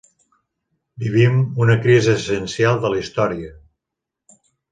Vivim una crisi essencial de la història.